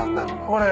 これ。